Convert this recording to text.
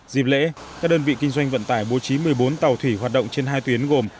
dịp lễ các đơn vị kinh doanh vận tải bố trí một mươi bốn tàu thủy hoạt động trên hai tuyến gồm